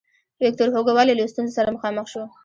ویکتور هوګو ولې له ستونزو سره مخامخ شو.